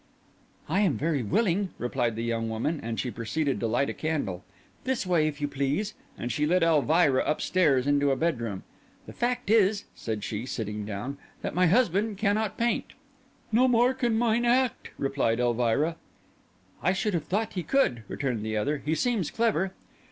"I am very willing," replied the young woman; and she proceeded to light a candle. "This way if you please." And she led Elvira upstairs into a bedroom. "The fact is," said she, sitting down, "that my husband cannot paint." "No more can mine act," replied Elvira. "I should have thought he could," returned the other; "he seems clever."